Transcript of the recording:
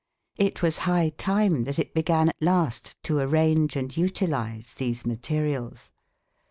It was high time that it began at last to arrange and utilize these materials.